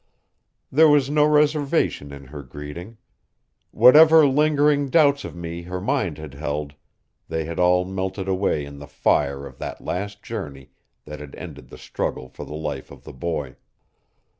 There was no reservation in her greeting. Whatever lingering doubts of me her mind had held, they had all melted away in the fire of that last journey that had ended the struggle for the life of the boy.